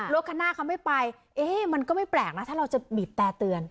รถคันหน้าเขาไม่ไปมันก็ไม่แปลกนะถ้าเราจะบีบแต่เตือน